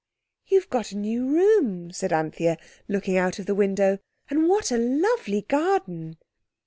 "You've got a new room," said Anthea, looking out of the window, "and what a lovely garden!"